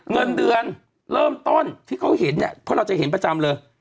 เงินเดือนเริ่มต้นที่เขาเห็นเนี่ยเพราะเราจะเห็นประจำเลย